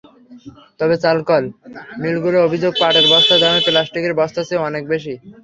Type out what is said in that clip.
তবে চালকল মিলগুলোর অভিযোগ, পাটের বস্তার দাম প্লাস্টিকের বস্তার চেয়ে অনেক বেশি।